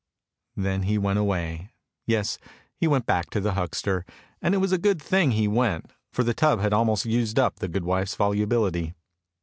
"— Then he went away — yes, he went back to the huckster, and it was a good thing he went, for the tub had almost used up the goodwife's volubility.